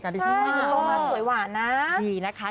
ว่ามีหัวสวยหวานนะ